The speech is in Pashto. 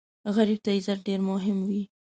غریب ته عزت ډېر مهم وي